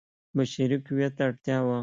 بشري قوې ته اړتیا وه.